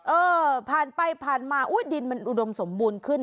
เออผ่านไปผ่านมาอุ๊ยดินมันอุดมสมบูรณ์ขึ้น